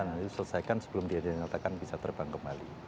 nah itu selesaikan sebelum dia dinyatakan bisa terbang kembali